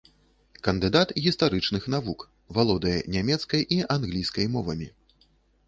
Кандыдат гістарычных навук, валодае нямецкай і англійскай мовамі.